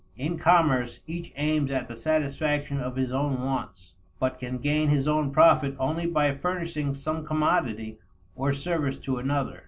In commerce, each aims at the satisfaction of his own wants, but can gain his own profit only by furnishing some commodity or service to another.